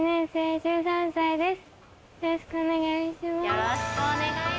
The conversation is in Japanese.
よろしくお願いします。